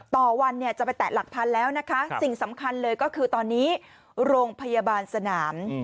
ต่อวันเนี่ยจะไปแตะหลักพันแล้วนะคะสิ่งสำคัญเลยก็คือตอนนี้โรงพยาบาลสนาม